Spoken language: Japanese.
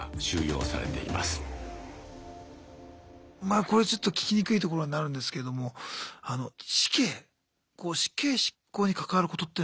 まあこれちょっと聞きにくいところになるんですけども死刑死刑執行に関わることっていうのはあります？